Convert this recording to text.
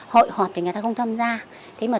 hội họp thì người ta không tham gia